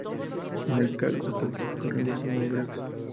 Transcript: En tal caso se trata de escurrimientos muy breves.